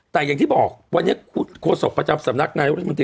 แต่อย่างที่บอกวันนี้ครัวศพประจำสำนักนายธุรกิจมันติ